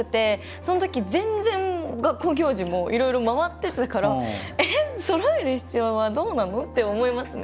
そのとき全然、学校行事もいろいろ回ってたからそろえる必要はどうなの？って思いますね。